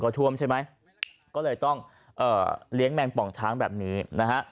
ก็ท่วมใช่ไหมก็เลยต้องเอ่อเลี้ยงแมงป่องช้างแบบนี้นะฮะ